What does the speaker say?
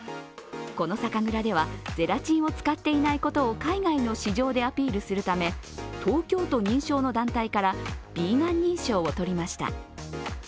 この酒蔵では、ゼラチンを使っていないことを海外の市場でアピールするため東京都認証の団体からヴィーガン認証を取りました。